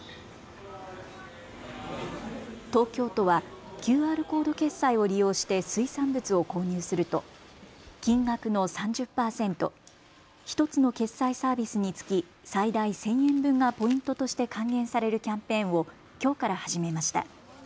東京都はＱＲコード決済を利用して水産物を購入すると金額の３０％、１つの決済サービスにつき最大１０００円分がポイントとして還元されるキャンペーンをきょうから始めました。